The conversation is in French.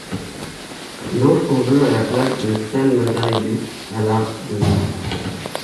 Il entre en jeu à la place de Stan Lazaridis à la de jeu.